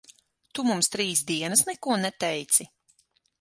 Tu mums trīs dienas neko neteici?